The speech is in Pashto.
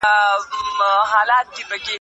که علماء غلي پاتې سي ټولنه به خرابه سي.